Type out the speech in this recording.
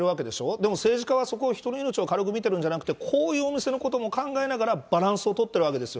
でも政治家は、人の命を軽く見てるんじゃなくて、こういうお店のことも考えながら、バランスを取ってるわけですよ。